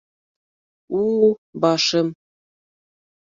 У-у-у, башым!